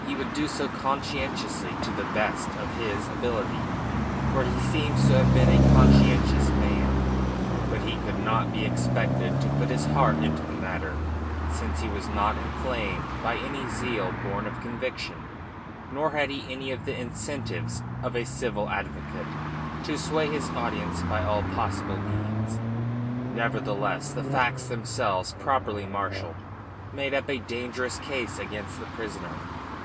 He would do so conscientiously to the best of his ability, for he seems to have been a conscientious man; but he could not be expected to put his heart into the matter, since he was not inflamed by any zeal born of conviction, nor had he any of the incentives of a civil advocate to sway his audience by all possible means. Nevertheless the facts themselves, properly marshalled, made up a dangerous case against the prisoner.